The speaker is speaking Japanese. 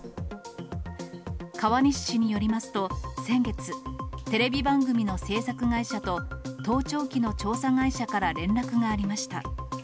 川西市によりますと、先月、テレビ番組の制作会社と、盗聴器の調査会社から連絡がありました。